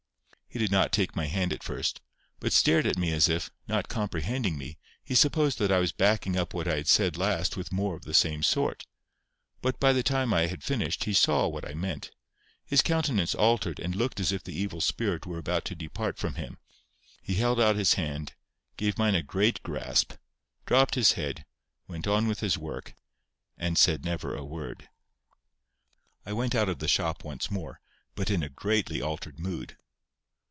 He did not take my hand at first, but stared at me as if, not comprehending me, he supposed that I was backing up what I had said last with more of the same sort. But by the time I had finished he saw what I meant; his countenance altered and looked as if the evil spirit were about to depart from him; he held out his hand, gave mine a great grasp, dropped his head, went on with his work, and said never a word. I went out of the shop once more, but in a greatly altered mood.